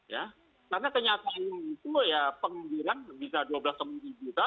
karena kenyataan itu ya penggirang bisa dua belas minggu juta